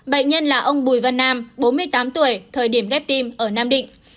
bệnh nhân là ông bùi văn nam bốn mươi tám tuổi thời điểm ghép tim ở nam định